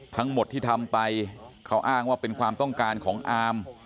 ทั้งหมดที่ทำไปเขาอ้างว่าเป็นความต้องการของอาม